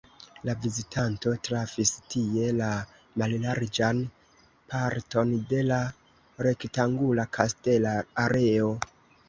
La vizitanto trafis tie la mallarĝan parton de la rektangula kastela areo.